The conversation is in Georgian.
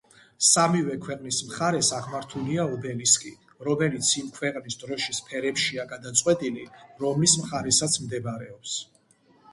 სამივე ქვეყნის მხარეს აღმართულია ობელისკი, რომელიც იმ ქვეყნის დროშის ფერებშია გადაწყვეტილი, რომლის მხარესაც მდებარეობს.